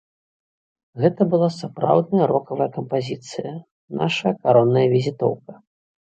Гэта была сапраўдная рокавая кампазіцыя, нашая каронная візітоўка.